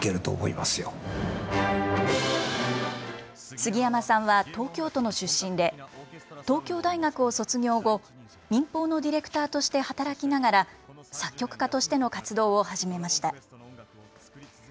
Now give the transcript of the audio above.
すぎやまさんは東京都の出身で、東京大学を卒業後、民放のディレクターとして働きながら、作曲家としての活動を始めました。